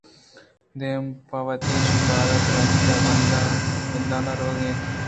دیم پہ وتی شکار ءَ ترٛانج بندان ءُ رَوَگ ءَ اَت